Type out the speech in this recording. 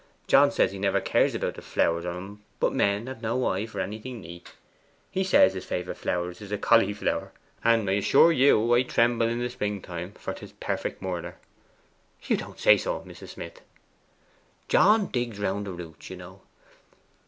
John says he never cares about the flowers o' 'em, but men have no eye for anything neat. He says his favourite flower is a cauliflower. And I assure you I tremble in the springtime, for 'tis perfect murder.' 'You don't say so, Mrs. Smith!' 'John digs round the roots, you know.